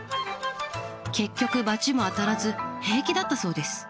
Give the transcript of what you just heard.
結局罰も当たらず平気だったそうです。